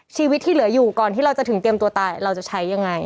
ชีวิตที่เหลืออยู่ก่อนที่เราจะถึงเตรียมตัวตายเราจะใช้ยังไง